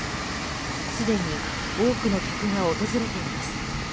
すでに多くの客が訪れています。